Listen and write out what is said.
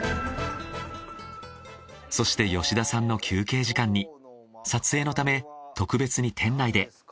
そして吉田さんの休憩時間に撮影のため特別に店内で。